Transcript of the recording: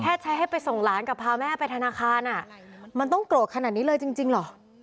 ใช้ให้ไปส่งหลานกับพาแม่ไปธนาคารมันต้องโกรธขนาดนี้เลยจริงเหรอ